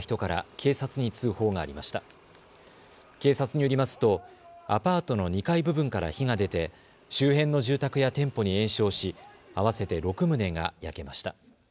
警察によりますとアパートの２階部分から火が出て周辺の住宅や店舗に延焼し、合わせて６棟が焼けました。